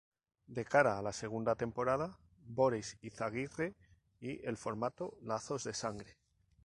De cara a la segunda temporada, Boris Izaguirre y el formato "Lazos de sangre.